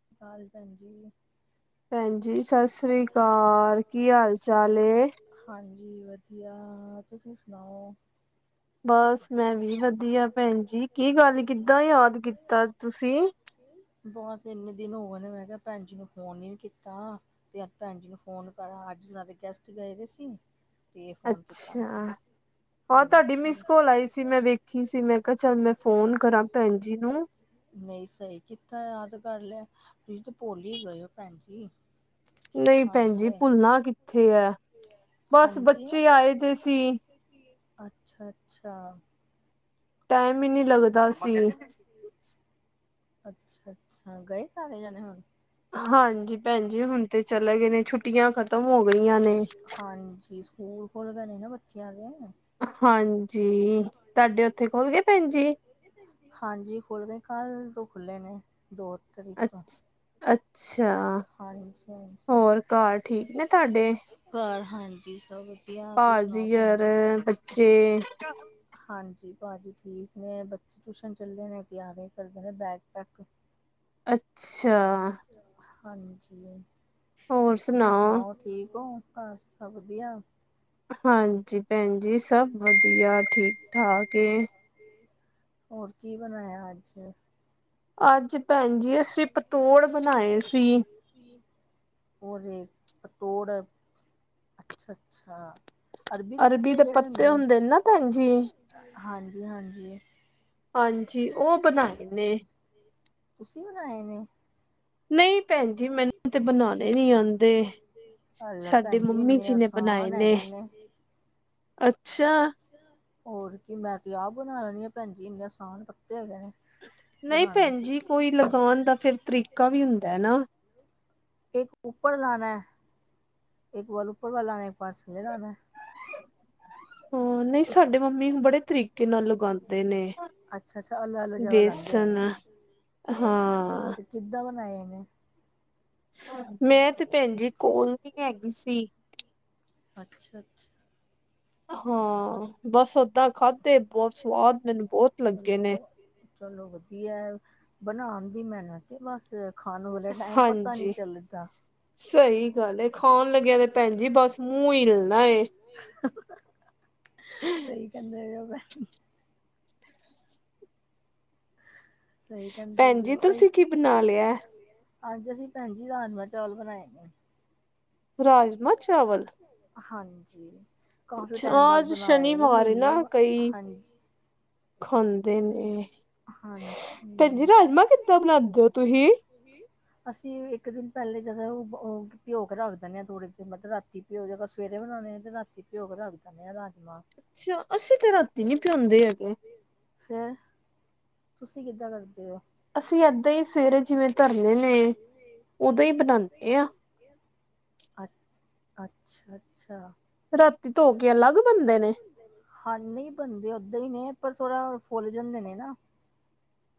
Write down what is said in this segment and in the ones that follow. ਸਤਿ ਸ੍ਰੀ ਅਕਾਲ ਭੈਣ ਜੀ ਭੈਣ ਜੀ ਸਤਿ ਸ੍ਰੀ ਅਕਾਲ ਕੀ ਹਾਲ -ਚਾਲ ਏ। ਹਾਂਜੀ ਵਧੀਆ ਤੁਸੀਂ ਸੁਣਾਓ? ਬਸ ਮੈਂ ਵੀ ਵਧੀਆ ਭੈਣ ਜੀ, ਕੀ ਗੱਲ ਕਿੱਦਾਂ ਯਾਦ ਕੀਤਾ ਤੁਸੀਂ ਬਸ ਇੰਨੇ ਦਿਨ ਹੋ ਗਏ ਨੇ, ਮੈਂ ਕਿਹਾ ਭੈਣ ਜੀ ਨੂੰ ਫੋਨ ਨੀ ਕੀਤਾ। ਤੇ ਭੈਣ ਜੀ ਨੂੰ ਫੋਨ ਕਰਾ ਅੱਜ ਸਾਡੇ ਗੈਸਟ ਗਏ ਦੇ ਸੀ। ਅੱਛਾ, ਹੋਰ ਤੁਹਾਡੀ ਮਿਸ ਕੋਲ ਆਈ ਸੀ। ਸੀ ਮੈਂ ਵੇਖੀ ਸੀ ਮੈਂ ਕਿਹਾ ਚੱਲ ਮੈਂ ਫੋਨ ਕਰਾਂ ਭੈਣ ਜੀ ਨੂੰ ਨਹੀਂ ਸਹੀ ਕੀਤਾ, ਯਾਦ ਕਰ ਲਿਆ ਤੁਸੀਂ ਤੇ ਭੁਲ ਹੀ ਗਏ ਹੋ ਭੈਣ ਜੀ। ਨਹੀਂ ਭੈਣ ਜੀ ਭੁੱਲਣਾ ਕਿੱਥੇ ਹੈ, ਬਸ ਬੱਚੇ ਆਏ ਦੇ ਸੀ। ਅੱਛਾ, ਅੱਛਾ ਟਾਈਮ ਹੀ ਨੀ ਲੱਗਦਾ ਸੀ। ਅੱਛਾ, ਅੱਛਾ ਗਏ ਸਾਰੇ ਜਾਣੇ ਹੁਣ ਹਾਂਜੀ ਭੈਣ ਜੀ ਹੁਣ ਤੇ ਚਲੇ ਗਏ ਨੇ, ਛੁੱਟੀਆਂ ਖਤਮ ਹੋ ਗਈਆਂ ਨੇ। ਹਾਂਜੀ। ਸਕੂਲ ਖੁਲ ਗਏ ਨੇ ਨਾ ਬੱਚਿਆਂ ਦੇ। ਹਾਂਜੀ, ਤੁਹਾਡੇ ਉੱਥੇ ਖੁੱਲ ਗਏ ਭੈਣ ਜੀ। ਹਾਂਜੀ ਖੁੱਲ੍ਹ ਗਏ ਕੱਲ੍ਹ ਤੋਂ ਖੁੱਲ੍ਹੇ ਨੇ ਦੋ ਤਰੀਕ ਤੋਂ ਅੱਛਾ, ਹੋਰ ਘਰ ਠੀਕ ਨੇ ਤੁਹਾਡੇ ਭਾਜੀ ਔਰ ਬੱਚੇ ਹਾਂਜੀ ਭਾਜੀ ਠੀਕ ਨੇ, ਬੱਚੇ ਟਿਊਸ਼ਨ ਚੱਲੇ ਨੇ ਤਿਆਰੀ ਕਰਦੇ ਨੇ ਬੈਗ ਪੈਕ ਅੱਛਾ। ਹਾਂਜੀ ਤੁਸੀਂ ਸੁਣਾਓ? ਠੀਕ ਹੋ, ਘਰ ਸਬ ਵਧੀਆ ਹਾਂਜੀ ਭੈਣ ਜੀ ਸਭ ਵਧੀਆ ਠੀਕ -ਠਾਕ ਏ। ਹੋਰ ਕੀ ਬਣਾਇਆ ਅੱਜ ਅੱਜ ਭੈਣ ਜੀ ਅਸੀਂ ਪਤੋੜ ਬਣਾਏ ਸੀ। ਔ ਜਿਹੜੇ ਪਤੋੜ ਅੱਛਾ, ਅੱਛਾ ਅਰਬੀ ਦੇ ਪਤੇ ਜਿਹੜੇ ਹੁੰਦੇ ਹਾਂਜੀ, ਹਾਂਜੀ। ਹਾਂਜੀ ਉਹ ਬਣਾਏ ਨੇ ਤੁਸੀਂ ਬਣਾਏ ਨੇ ਨਹੀਂ ਭੈਣ ਜੀ ਮੈਨੂੰ ਤੇ ਬਣਾਉਣੇ ਨੀ ਆਉਂਦੇ। ਸਾਡੀ ਮੰਮੀ ਜੀ ਨੇ ਬਣਾਏ ਨੇ, ਅੱਛਾ। ਹੋਰ ਕੀ ਮੈਂ ਤੇ ਆਹ ਬਣਾ ਲੈਣੀ ਆ ਭੈਣ ਜੀ ਇੰਨੇ ਆਸਾਨ ਪੱਤੇ ਹੈਗੇ ਨੇ। ਨਹੀਂ ਭੈਣ ਜੀ ਕੋਈ ਲਗਾਉਣ ਦਾ ਫਿਰ ਤਰੀਕਾ ਵੀ ਹੁੰਦਾ ਹੈ। ਨਾ ਇੱਕ ਉੱਪਰ ਲਾਉਣਾ ਇੱਕ ਵੱਲ ਉਪਰ ਵਾਲਾ ਲਾਉਣਾ ਇੱਕ ਪਾਸੱਲੇ ਲਾਉ। ਹਾਂ ਨਹੀਂ ਸਾਡੇ ਮੰਮੀ ਬੜੇ ਤਰੀਕੇ ਨਾਲ ਲਗਾਉਂਦੇ ਨੇ ਬੇਸਨ ਹਾਂ। ਕਿੱਦਾਂ ਬਣਾਏ ਇਹਨੇ? ਮੈਂ ਤੇ ਭੈਣ ਜ ਕੋਲ ਨ ਹੈਗੀ ਸੀ। ਅੱਛਾ ਅੱਛਾ। ਹਾਂ ਬਸ ਓਦਾਂ ਖਾਧੇ ਬਹੁਤ ਸਵਾਦ ਮੈਨੂੰ ਬਹੁਤ ਲੱਗੇ ਨੇ। ਚਲੋ ਵਧੀਆ ਬਣਾਉਣ ਦੀ ਮਿਹਨਤ ਬਸ ਖਾਣ ਵਾਲੇ ਟਾਈਮ ਪਤਾ ਨਹੀਂ ਚੱਲਦਾ। ਸਹੀ ਗੱਲ ਏ ਖਾਣ ਲੱਗਿਆ ਤੇ ਭੈਣ ਜੀ ਬਸ ਮੂੰਹ ਹੀਲਣਾ। ਸਹੀ ਕਹਿੰਦੇ ਆ [unintelligible] ਸਹੀ ਕਹਿੰਦੇ ਪ ਅੱਜ ਅਸੀਂ ਭੈਣ ਜੀ ਰਾਜਮਾਂ ਚੌਲ ਬਣਾਏ ਨੇ। ਰਾਜਮ ਚਾਵਲ। ਹਾਂਜੀ ਕਾਫੀ ਟਾਈਮ ਬਾਅਦ ਬਣਾਏ ਨੇ ਮਹੀਨੇ ਹਾਂਜੀ। ਖਾਂਦੇ ਨੇ ਭੈਣਜੀ ਰਾਜਮਾਂ ਕਿੱਦਾਂ ਬਣਾਉਦੇ ਹੋ ਤੁਸੀਂ? ਅਸੀਂ ਇੱਕ ਦਿਨ ਪਹਿਲੇ ਜਦ ਉਹ ਭਿਯਓ ਕੇ ਰੱਖ ਦਿੰਦੇ ਹਾਂ ਥੋੜੇ ਜ ਮਤਲਬ ਰਾਤੀ। ਘਿਓ ਜਾ ਸਵੇਰੇ ਬਣਾਉਣੇ ਨੇ ਅਤੇ ਰਾਤੀਂ ਘਿਓ ਕੁ ਲਗਦਾ ਨੇ ਰਾਜਮਹ। ਅੱਛਾ ਅਸੀਂ ਤੇ ਰਾਤੀ ਨਹੀਂੀ ਭਿਉਂਦੇ ਹੈਗੇ। [unintelligible] ਤੁਸੀਂ ਕਿੱਦਾਂ ਕਰਦੇ ਹੋ? ਅਸੀਂ ਏਦਾਂ ਹੀ ਸਵੇਰੇ ਜਿਵੇਂ ਧਰਨੇ ਨੇ ਉਦਾਂ ਹੀ ਬਣਾਉਂਦੇ ਹਾਂ। ਅ ਅੱਛਾ ਅੱਛਾ। ਰਾਤੀ ਧੋ ਕੇ ਅਲੱਗ ਬਣਦੇ ਨੇ? ਹਾਂ ਨਹੀਂ ਬੰਦੇ ਓਦਾਂ ਹੀ ਨੇ ਪਰ ਥੋੜ੍ਹਾ ਫੁੱਲ ਜਾਂਦੇ ਨੇ ਨਾ।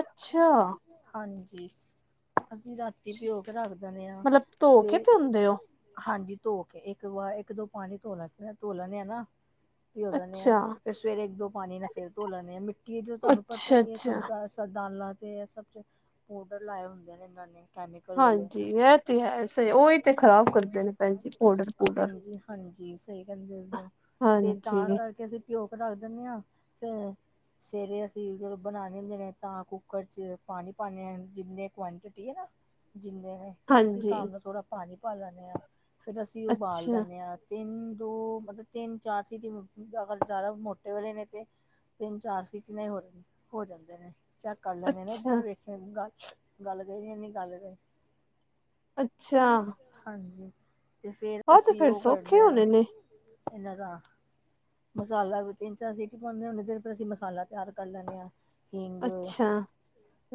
ਅੱਛਾ। ਹਾਂਜੀ ਅਸੀਂ ਰਾਤੀ ਪਿਓ ਕੇ ਰੱਖ ਦਦੇ ਹਾਂ ਸਵੇ। ਹਾਂਜੀ ਧੋ ਕੇ ਇੱਕ ਵ ਇੱਕ ਦੋ ਪਾਣੀ ਧੋ ਲ ਧੋ ਲੈਦੇ ਆ ਨਾ। ਭਿਓ ਦਿੰਦੇ ਹਾਂ ਫਿਰ ਸਵੇਰੇ ਇੱਕ ਦੋ ਪਾਣੀ ਨਾਲ ਫੇਰ ਧੋ ਲੈਂਦੇ ਹਾਂ ਮਿੱਟੀ ਜੋ ਤੁਹਾਨੂੰ ਪਤਾ ਹੀ ਹੈ ਸਭ ਦਾ ਸਰ ਦਾਲਾਂ ਅਤੇ ਇਹ ਸਭ ਪਾਊਡਰ ਲਾਏ ਹੁੰਦੇ ਨੇ ਇਹਨਾਂ ਨੇ। ਹਾਂਜੀ ਇਹ ਤੇ ਹੈ ਸਹੀ ਉਹੀ ਤੇ ਖ਼ਰਾਬ ਕਰਦੇ ਨੇ ਭੈਣ ਜੀ ਔਡਰ। ਹਾਂਜੀ ਹਾਂਜੀ ਸਹੀ ਕਹਿੰਦੇ ਦਦੇ ਹੋ ਤੇ ਤਾਂ ਕਰਕੇ ਅਸੀਂ ਘਿਓਗ ਰੱਖ ਦਿੰਦੇ ਹਾਂ ਫਿਰ ਸਵੇਰੇ ਅਸੀਂ ਜਦੋਂ ਬਣਾਉਣੇ ਹੁੰਦੇ ਨੇ ਤਾਂ ਕੁੱਕਰ ਚ ਪਾਣੀ ਪਾਦੇ ਹ ਜਿੰਨਨੀ ਕੁਆੰਟਿਟੀ ਹੈ ਨਾ ਜਿੰਨੀ ਉਸੇ ਹਿਸਾਬ ਨਾਲਥੋੜਾ ਪਾਣੀ ਪਾ ਲੈਂਦੇ ਹਾਂ ਫੇਰ ਅਸੀਂ ਉਬਾਲ ਦਿੰਦੇ ਹਾਂ। ਤਿੰਨ ਦੋ ਮਤਲਬ ਤਿੰਨ ਚਾਰ ਸੀਟ ਅਗਰ ਜ਼ਿਆਦਾ ਮੋਟੇ ਵਾਲੇ ਨੇ ਤੇ ਤਿੰਨ ਚਾਰ ਸੀਟ ਨੇ ਹੋ ਹੋ ਜਾਂਦੇ ਨੇ। ਚੈੱਕ ਕਰ ਲੈਂਣੇ ਨਾ ਇੱਕ ਬਾਰ ਵੇਖੇ ਗੱਲ ਗੱਲ ਗਈ ਜਾਂ ਨਹੀਂ ਗੱਲ ਗਏ। ਅੱਛਾ। ਹਾਂਜੀ ਤੇ ਫੇਰ ਅਸੀਂ ਉਹ ਕਰਦੇ ਹਾਂ ਇਹਨਾਂ ਦਾ ਮਸਾਲਾ ਵੀ ਤਿੰਨ ਚਾਰ ਸੀਟ ਪਾਉਂਦੇ ਹੁੰਦੇ ਜ ਫਿਰ ਅਸੀਂ ਮਸਾਲਾ ਤਿਆਰ ਕਰ ਲੈਂਦੇ ਹਾਂ। ਹੀਗ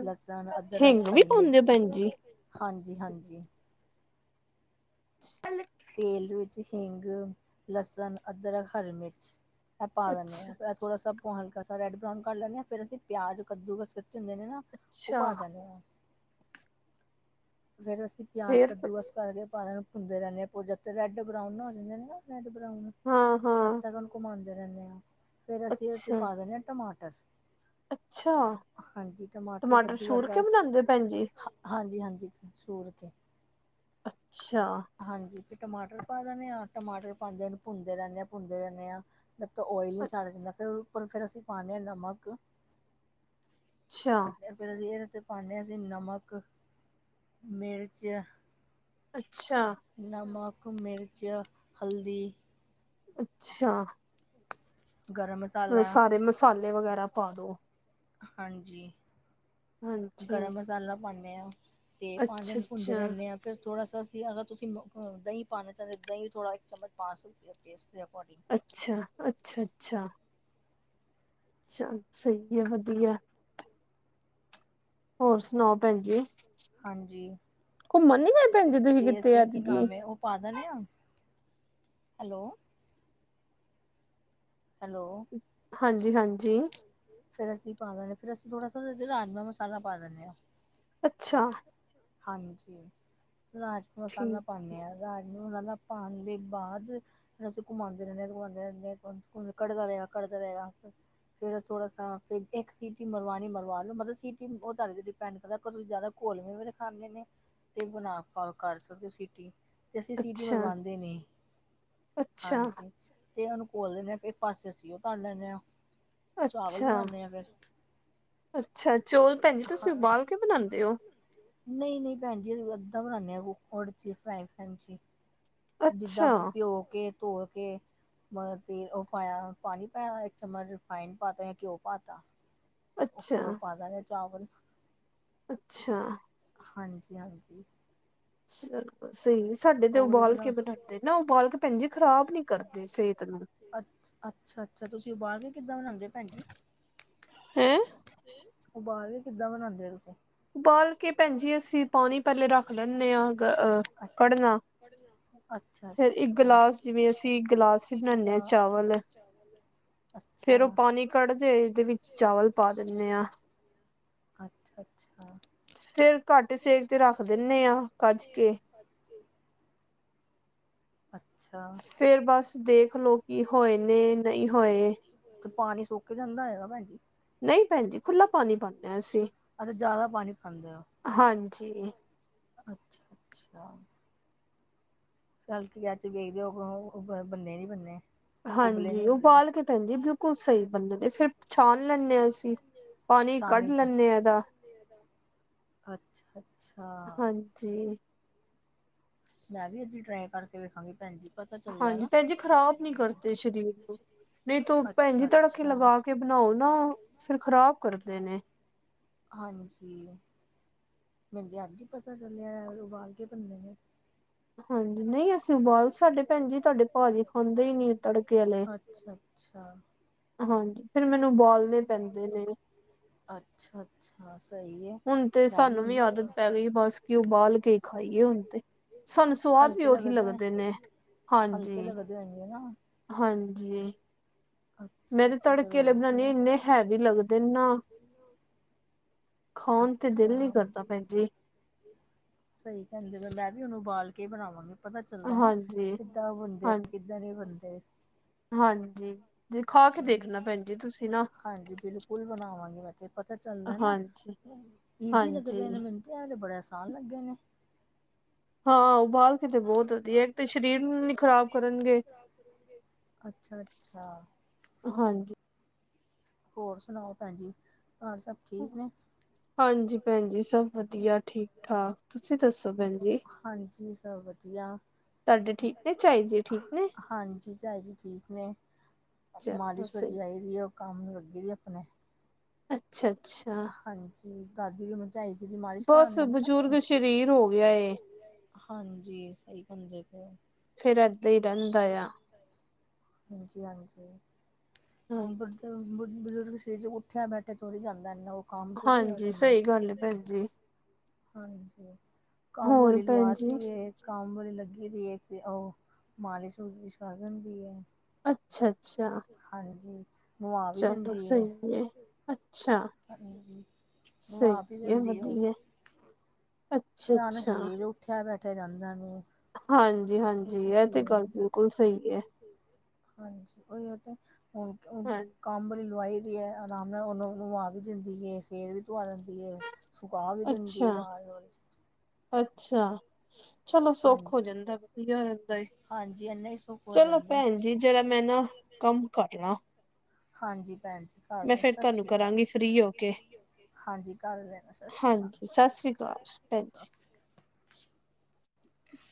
ਲਸਣ ਅਦਰਕ ਹਰੀ ਮਿਰਚ। ਹਾਂਜੀ ਹਾਂਜੀ। ਸੱਲ ਤੇਲ ਦੇ ਵਿੱਚ ਹਿੰਗ ਲਸਣ ਅਦਰਕ ਹਰੀ ਮਿਰਚ ਇਹ ਪਾ ਦਿੰਦੇ ਹਾਂ। ਥੋੜਾ ਆਪਾਂ ਹਲਕਾ ਸ ਰੈੱ ਬਰਾਊਨ ਕਰ ਲੈਂਦੇਂ ਫਿਰ ਅਸੀਂ ਪਿਆਜ ਕਦੂ ਕੱਚ ਹੁੰਦੇ ਨੇ ਨਾ। ਉਪਾਹ ਜਾਨੇ ਆ। ਫਿਰ ਅਸੀਂ ਪਿਆਜ਼ ਕੱਦੂਕਸ ਕਰਕੇ ਪਾ ਨੂੰ ਖੁੰਦੇ ਰਹਿੰਦੇ ਆ ਜਥ ਰੈਡ ਬਰਾਉਨ ਹੋ ਜਾਂਦੇ ਨੇ ਨਾ ਰੈਡ ਬਰਾਨ ਹੱ ਘੁਮਾਉਂਦੇ ਰਹਿੰਦੇ ਹਾਂ। ਫੇਰ ਅਸੀਂ ਉਸ ਚ ਪਾ ਦਿੰਦੇ ਹਾਂ। ਟਮਾਟਰ ਹਾਂਜੀ। ਟਮਾਟਰ ਕੱਦੂਕਸ, ਅ ਹਾਂਜੀ ਹਾਂਜੀ। ਛੋੜ ਕੇ ਅੱਛਾ। ਹਾਂਜੀ। ਤੇ ਟਮਾਟਰ ਪਾ ਦਿੰਦੇ ਆ। ਟਮਾਟਰ ਪਾਉਂਦੇ ਭੁੰਨਦੇ ਰਹਿੰਦੇ ਆ ਭੁੰਨਦੇ ਰਹਿੰਦੇ ਆ। ਜਦ ਤੱਕ ਓਇਲ ਨਹੀਂ ਛੱਡ ਜਾਂਦਾ। ਫਿਰ ਉੱਪਰ ਅਸੀਂ ਪਾਉਦੇ ਹਾਂ ਨਮਕ। ਅੱਛਾ। ਫਿਰ ਅਸੀ, ਜੇਹ ਈਦੇ ਉੱਤੇ ਪਾਦੇ ਆ ਨਮਕ ਮਿਰਚ ਅੱਛਾ। ਨਮ, ਮਿਰਚ, ਹਲਦੀ ਅੱਛਾ। ਗਰਮ-ਮ ਔਰ ਸਾਰੇ ਮਸਾਲੇ ਵਗੈਰਾ ਪਾ ਦੋ। ਹਾਂਜੀ। ਗਰਮ ਮਸਾਲਾ ਪਾਦੇ ਆ। ਤੇ ਪੰਜ ਦਿਨ ਭੁੰਨਦੇ ਰਹਿੰਦੇ ਆ। ਫਿਰ ਥੋੜਾ ਅਸੀ ਅਗਰ ਤੁਸੀਂ ਦਹੀਂ ਪਾਉਣਾ ਚਾਹੁੰਦੇ। ਦਹੀਂ ਥੋੜਾ ਇੱਕ ਚਮਚ ਪਾ ਸਕਦੇ ਓ, ਟੇਸਟ ਦੇ ਅਕੋਡਿੰਗ। ਅੱਛਾ ਅੱਛਾ ਅੱਛਾ। ਚਲ, ਸਹੀ ਤੋ ਵਧੀਆ। ਹੋਰ ਸੁਣਾਓ ਭੈਣ ਜੀ। ਘੁੰਮਣ ਨੀ ਗੇ ਭੈਣ ਜੀ। ਤੁਸੀਂ ਕਿਥੇ ਐਦਕੀ? ਪਾ ਦੇਨੇ ਆ। ਹੈਲੋ ਹਾਂਜੀ ਹਾਂਜੀ। ਫੇਰ, ਅਸੀਂ ਪਾ ਰਖਦੇ ਆ ਥੋੜਾ ਸਾ। ਫਿਰ ਅਸੀਂ ਥੋੜਾ ਰਾਜਾ ਮਸਾਲਾ ਪਾ ਦਿੰਦੇ ਹਾਂ। ਅੱਛਾ। ਹਾਂਜੀ। ਰਾਜਮਾ ਮਸਾਲਾ ਪਾਂਦੇ ਆ। ਰਾਜਮਾ ਮਸਾਲਾ ਪਾਉਣ ਦੇ ਬਾਅਦ, ਫੇ਼ਰ ਅਸੀਂ ਘੁਮਾਂਦੇ ਰਹਿੰਦੇ ਆ, ਘੁੰਮਾਉਦੇ ਰਹਿੰਦੇ ਆ। ਘਮਾ ਓ ਕੱੜਦਾ ਰਿਹਾ। ਕੱੜਦਾ ਰਿਹਾ। ਫਿਰ ਥੋੜ੍ਹਾ ਸਾ, ਫਿਰ ਇੱਕ ਸਿਟੀ ਮਰਵਾੜੀ ਮਵਾਲੋ। ਮਤਲਬ ਸਿਟੀ ਉਹ ਤਾਡੇ 'ਤੇ ਡਿਪੈਂਡ ਕਰਦਾ ਅਗਰ, ਤੁਸੀਂ ਜ਼ਿਆਦਾ ਘੋਲੇ ਵਾਲੇ ਖਾਂਦੇ ਨੇ, ਤੇ ਬਣਾ ਪਾ ਕਰ ਸਕਦੇ ਓ, ਸੀਟੀ ਤੇ ਅਸੀਂ ਸੀਟੀ ਮਗਵਾਉਂਦੇ ਨੀ। ਹਾਂਜੀ, ਤੇ ਉਹਨੂੰ ਘੋਲ ਦੇਦੇ ਅ ਇਕ ਪਾਸੇ ਅਸੀਂ ਉਹ ਪਾਂ ਲੈਂਦੇ ਆ। ਚਾਵਲ ਬਣਾਉਂਦੇ ਆ। ਫਿਰ ਅੱਛਾ। ਚੌਲ ਭੈਣ ਜੀ, ਤੁਸੀਂ ਉਬਾਲ ਕੇ ਬਣਾਉਂਦੇ ਓ? ਨਹੀਂ- ਨਹੀਂ। ਭੈਣ ਜੀ ਆਸੀ ਇੱਧਾ ਬਣਾਉਦੇ ਆ। ਕੁਕਰ ਚ ਫਰਾਈ ਪੈਨ ਚ ਈ। ਜੀ ਵੱਧ ਭਿਓ ਕੇ, ਧਿਓ ਕੇ ਮੈ ਤੇ ਉਹ ਪਾਇਆ। ਪਾਣੀ ਪਾਇਆ, ਇੱਕ ਚਮਚ ਰਿਫਾਈਡ ਪਾਤਾ, ਘਿਓ ਪਾ ਤਾ। ਉੱਪਰੋਂ ਪਾ ਦਾ ਗੇ, ਚਾਵਲ। ਅੱਛਾ। ਹਾਂਜੀ ਹਾਂਜੀ। ਸਹੀ, ਸਾਡੇ ਤੇ ਉਬਾਲ ਕੇ ਬਣਾਉਂਦੇ ਨਾ। ਉਬਾਲ ਕੇ ਭੈਣ ਜੀ ਖ਼ਰਾਬ ਨਹੀਂ ਕਰਦੇ। ਸਹੀ ਤੇਨੂੰ। ਅੱਛਾ ਅੱਛਾ। ਤੁਸੀਂ ਉਬਾਲ ਕੇ ਕਿੱਦਾਂ ਬਨਾਉਂਦੇ ਓ? ਭੈਣੀ ਜੀ। ਹੈਂ। ਹੈ। ਉਬਾਲ ਕੇ ਕਿੱਦਾਂ ਬਣਾਉਂਦੇ ਓ, ਤੁਸੀਂ? ਉਬਾਲ ਕੇ ਭੈਣ ਜੀ ਅਸੀਂ, ਪਾਣੀ ਪਹਿਲੇ ਰੱਖ ਲੈਂਦੇ ਆ। ਅਹ ਕੜਨਾ ਅੱਛਾ ਅੱਛਾ ਫੇਰ ਉਹ ਪਾਣੀ ਕੱਢਦੇ ਆ। ਉਹਦੇ ਵਿੱਚ ਚਾਵਲ ਪਾ ਦਿੰਦੇ ਆ। ਅੱਛਾ ਅੱਛਾ। ਫੇਰ ਘੱਟ ਸੇਕ ਤੇ ਰਖ ਦਿਦੇ ਆ ਕੱਜ ਕੇ ਅੱਛਾ ਬਸ ਦੇਖ- ਤੇ ਪਾਣੀ ਸੋਕੇ ਜਾਂਦਾ ਹੈਗਾ ਭੈਣਜੀ ਅਛ ਜਿਆਦਾ ਪਾਣੀ ਪਾਦੇ ਆ ਹਾਂਜੀ- ਅਛਾ- ਅਛਾ- ਹਲਕੀ ਅ ਚ ਵੇਖਦੇ ਹੋ ਬਨੇ ਨੀ ਬਨੇ ਹਾਂਜੀ ਉਬਾਲ ਕੇ ਭੈਂਦੀ ਬਿਲਕੁਲ ਸਹੀ ਬੰਦੇ ਨੇ ਫਿਰ ਪਛਾਣ ਲੈਂਦੇ ਹਾਂ ਅਸੀ ਪਾਣੀ ਕਢ ਲੈਂਦੇ ਦਾ- ਅੱਛਾ ਅ ਹਾਂਜੀ, ਮੈਂ ਵੀ ਐਦਾ ਟਰਾਈ ਕਰਕੇ ਵੇਖਾਂਗੀ ਭੈਣ ਜੀ ਹਾਂਜੀ, ਭੈਣ ਜੀ ਖ਼ਰਾਬ ਨੀ ਕਰਦੇ ਸਰੀਰ ਨੂੰ ਨਹੀ ਤੂੰ ਭੈਣ ਜੀ ਤੜਕੇ ਲਗਾ ਕੇ ਬਣਾਓ ਨਾ ਫੇਰ ਖਰਾਬ ਕਰਦੇ ਨੇ ਹਾਂਜੀ, ਮੈਨਦੇ ਅੱਜ ਪਤਾ ਚਲਿਆ ਉਬਾਲ ਕੇ ਬਨੇ ਆ ਹਾਂਜੀ, ਨਹੀ ਅਸੀ ਅੱਛਾ-ਅੱਛਾ, ਹਾਂਜੀ, ਫਿਰ ਮੈਨੂੰ ਬੋਲਣੇ ਪੈਦੇ ਨੇ ਅੱਛਾ, ਹੁਣ ਤੇ ਸਾਨੂੰ ਵੀ ਆਦਤ ਪੈ ਗਈ, ਬਸ ਕਿ ਉਹ ਬਾਲ ਕੇ ਖਾਈਏ ਹੁਣ ਤੇ ਸਾਨੂੰ ਸੁਵਾਦ ਵੀ ਉਹੀ ਲਗਦੇ ਨੇ ਹਲਕੇ ਲੱਗਦੇ ਹੁਦੇ ਆ ਨਾ ਹਾਂਜੀ, ਮੈਂ ਤੇ ਤੜਕੇ ਲਗਾਨੇ, ਇਨੇ ਹੈਵੀ ਲਗਦੇ ਨਾ ਖਾਣ ਤੇ ਦਿਲ ਨੀ ਕਰਦਾ ਭੈਜੀ ਜੀ, ਸਹੀ ਕਹਿਦੇ ਮੈਂ ਵੀ ਉਹਨੂੰ ਬਾਲ ਕੇ ਬਣਾਵਾਂਗੀ ਪਤਾ ਚਲਦਾ, ਨਾ ਕਿਦਾਂ ਉਹ ਬਣਦੇ ਕਿਦਾਂ ਨਹੀ ਬਣਦੇ ਹਾਂਜੀ, ਹਾਂਜੀ-ਹਾਂਜੀ ਬਿਲਕੁਲ ਬਣਾਵਾਂਗੇ, ਵੈ ਤੇੇ ਪਤਾ ਚਲਦਾ ਨਾ ਈਜ਼ੀ ਲਗਦੇ ਨੇ ਮੈਨੂੰ ਤੇ ਬੜੇ ਆਸਾਨ ਲਗੇ ਨੇ ਹਾਂ ਉਬਾਲ ਕੇਤੇ ਬਹੁਤ ਵਧੀਆ, ਇਕ ਤਾਂ ਸਰੀਰ ਨੂੰ ਨੀ ਖ਼ਰਾਬ ਕਰਨਗੇ ਅੱਛਾ-ਅੱਛਾ ਹਾਂਜੀ, ਹੋਰ ਸੁਣਾਓ? ਭੈਣਜੀ ਘਰ ਸਭ ਹਾਂਜੀ ਭੈਣ ਜੀ, ਸਭ ਵਧੀਆ ਠੀਕ-ਠਾਕ ਤੁਸੀ ਦਸੋ ਭੈਣ ਜੀ ਹਾਂਜੀ, ਸਭ ਵਧੀਆ ਹਾਂਜੀ, ਚਾਈ ਜੀ ਠੀਕ ਨੇ ਮਾਲਿਸ਼ ਵਾਲੀ ਆਈ ਦੀ ਉਹ ਕਮ ਨੂੰ ਲਗੀ ਆਪਣੇ ਅੱਛਾ, ਹਾਂਜੀ, ਦਾਦੀ ਦੀ ਝਾਈ ਜੀ ਮਾਲਿਸ਼ ਕਰਾਦੇ ਆ ਨਾ ਅਸੀ ਹਾਂਜੀ ਸਹੀ ਕਹਿੰਦੇ ਪਏ ਔ ਫੇਰ ਇਦਾਂ ਹੀ ਰਹਿਦਾ ਆ ਹਾਂਜੀ-ਹਾਂਜੀ ਹੁਣ ਬਜ਼ੁਰਗ ਸਰੀਰ ਉਠਿਆ ਬੈਠਿਆ ਥੋੜੀ ਜਾਦਾ, ਇਨਾ ਉਹ ਕਮ ਚੋਰੀ ਹੋ ਜਾਦਾ ਚੱਲ ਭੈਣ ਜੀ, ਕਮ ਵਾਲੀ ਲਵਾਤੀ ਏ। ਕੰਮ ਵਾਲੀ ਲੱਗੀ ਹੈ, ਤੇ ਉਹ ਮਾਲਿਸ਼ ਮੁਲਿਸ਼ ਕਰ ਜਾਦੀ ਹੈ। ਅੱਛਾ-ਅੱਛਾ, ਹਾਂਜੀ, ਨਵਾ ਵੀ ਦਿਦੀ ਹੈ। ਹਾਂ ੳਹ ਆਪ ਹੀ ਦਿੰਦੀ ਉਹ। ਅੱਛਾ-ਅੱਛਾ, ਸਰੀਰ ਉੱਠਿਆ ਬੈਠਿਆ ਜਾਂਦਾ ਨੀਂ, ਹਾਂਜੀ-ਹਾਂਜੀ ਇਹ ਤੇ ਗੱਲ ਬਿਲਕੁਲ ਸਹੀ ਏ। ਹਾਂਜੀ, ਉਹ ਤੇ ਹੋਣ, ਕੰਮ ਆਲੀ ਲਵਾਈ ਦੀ ਹੈ, ਆਰਾਮ ਨਾਲ ਉਹਨੂੰ ਨਵਾ ਵੀ ਦਿੰਦੀ ਹੈ ਸਿਰ ਵੀ ਧੁਆ ਦਿੰਦੀ ਹੈ। ਸੁਖਾ ਵੀ ਦਿੰਦੀ ਏ ਵਾਲ। ਅੱਛਾ ਚਲੋ ਸੁਖ ਹੋ ਜਾਂਦਾ, ਵਧੀਆ ਰਹਿੰਦਾ। ਇਨੇ ਸੁੱਖ। ਚਲੋ ਭੈਣ ਜੀ, ਜਰਾ ਮੈਂ ਨਾ ਕੰਮ ਕਰਲਾ। ਹਾਂਜੀ ਭੈਣ ਜੀ, ਕਰ ਲਓ ਸਤਿ ਸ੍ਰੀ ਅਕਾਲ। ਹਾਂਜੀ ਕਰ ਲੈਣਾ ਸਤਿ ਸ਼੍ਰੀ ਅਕਾਲ। ਝ [unintelligible]